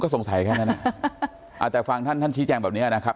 สงสัยแค่นั้นแต่ฟังท่านท่านชี้แจงแบบนี้นะครับ